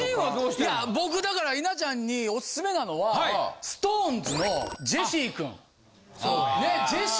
いや僕だから稲ちゃんにオススメなのはＳｉｘＴＯＮＥＳのジェシー君。ねジェシー